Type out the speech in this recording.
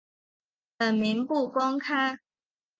本名不公开。